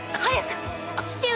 父上！